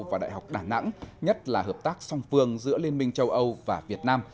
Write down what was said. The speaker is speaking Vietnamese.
và đại học đà nẵng nhất là hợp tác song phương giữa liên minh châu âu và việt nam